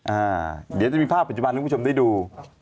เดี๋ยวจะมีภาพปัจจุบันให้คุณผู้ชมได้ดู